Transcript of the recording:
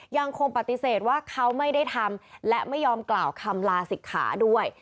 ยังคงปฏิเสธว่าเขาไม่ได้ทำและไม่ยอมกล่าวคำลาศิกขาด้วย